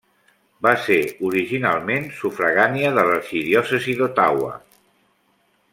Va ser originalment sufragània de l'arxidiòcesi d'Ottawa.